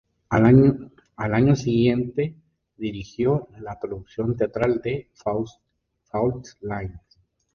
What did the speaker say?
Al año siguiente dirigió la producción teatral de "Fault Lines".